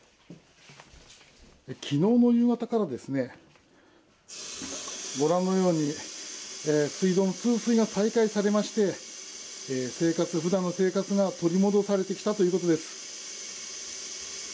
昨日の夕方から、ご覧のように水道の通水が再開されまして普段の生活が取り戻されてきたということです。